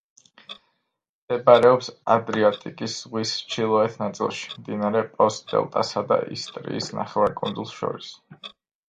მდებარეობს ადრიატიკის ზღვის ჩრდილოეთ ნაწილში, მდინარე პოს დელტასა და ისტრიის ნახევარკუნძულს შორის.